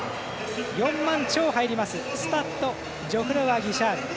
４万超入りますスタッド・ジェフロワ・ギシャール。